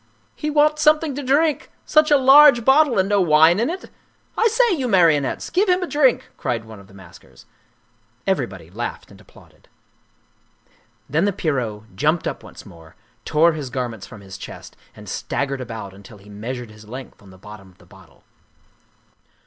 " He wants something to drink ! Such a large bottle and no wine in it? I say, you marionettes, give him a drink," cried one of the maskers. Everybody laughed and applauded. Then the Pierrot jumped up once more, tore his garments from his chest and staggered about until he measured his length on the bottom of the bottle.